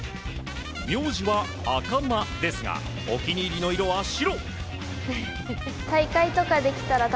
名字は赤間ですがお気に入りの色は白。